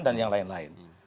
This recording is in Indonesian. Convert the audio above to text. dan yang lain lain